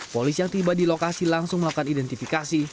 polisi yang tiba di lokasi langsung melakukan identifikasi